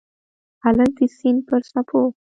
هلک د سیند پر څپو